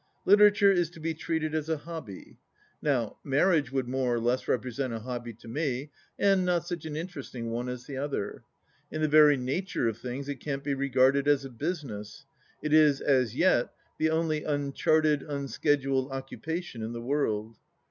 Literature is to be treated as a hobby. Now, marriage would more or less represent a hobby to me, and not such an interesting one as the other. In the very nature of things it can't be regarded as a busi ness ; it is, as yet, the only uncharted, unscheduled occupa tion in the world.